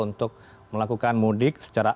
untuk melakukan mudik secara